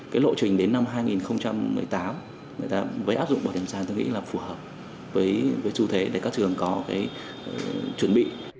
cái lộ trình đến năm hai nghìn một mươi tám với áp dụng bỏ điểm sàn tôi nghĩ là phù hợp với chư thế để các trường có cái chuẩn bị